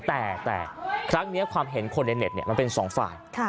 แต่ครั้งนี้ความเห็นคนในเน็ตมันเป็นสองฝ่าย